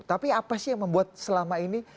tapi apa sih yang membuat selama ini